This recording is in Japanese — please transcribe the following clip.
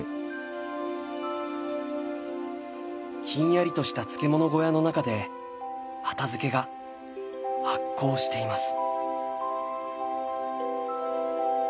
ひんやりとした漬物小屋の中で畑漬が発酵しています。